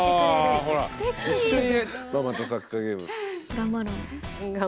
頑張ろうね。